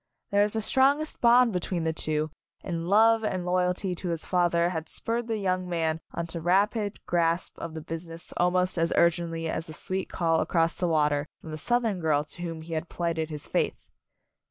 There was the strongest bond between the two, and love and loy alty to his father had spurred the young man on to rapid grasp of the business al most as urgently as the sweet call across the water from the Southern girl to whom he had plighted his faith.